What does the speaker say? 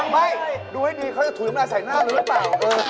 ไม่ดูให้ดีเขาจะถุยมาใส่หน้ามึงหรือเปล่า